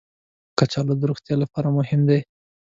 کچالو د روغتیا لپاره مهم دي